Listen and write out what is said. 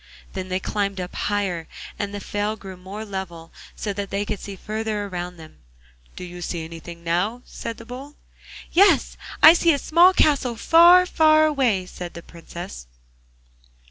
Then they climbed up higher, and the fell grew more level, so that they could see farther around them. 'Do you see anything now?' said the Bull. 'Yes, I see a small castle, far, far away,' said the Princess.